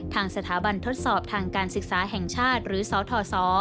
ทางสถาบันทดสอบทางการศึกษาแห่งชาติหรือสทศ